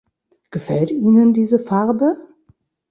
Gefällt Ihnen diese Farbe?